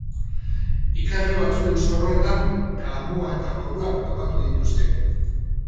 Ikasle batzuen zorroetan kalamua eta porruak topatu dituzte.